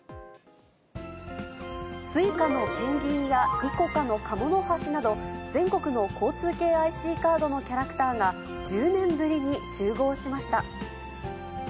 ＳｕｉｃａのペンギンやＩＣＯＣＡのカモノハシなど、全国の交通系ＩＣカードのキャラクターが、１０年ぶりに集合しました。